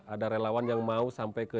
ada relawan yang mau sampai ke